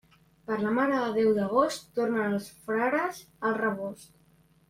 Per la Mare de Déu d'agost, tornen els frares al rebost.